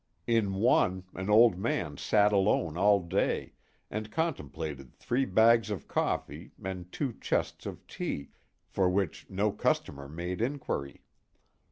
In one, an old man sat alone all day, and contemplated three bags of coffee and two chests of tea, for which no customer made inquiry.